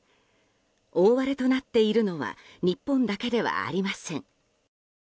大荒れとなっているのは日本だけではありません。